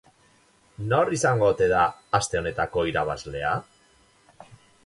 Nor izango ote da aste honetako irabazlea?